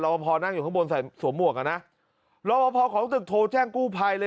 พอพอนั่งอยู่ข้างบนใส่สวมหมวกอ่ะนะรอบพอของตึกโทรแจ้งกู้ภัยเลย